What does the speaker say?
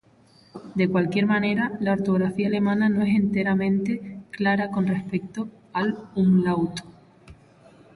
De cualquier manera, la ortografía alemana no es enteramente clara con respecto al "umlaut".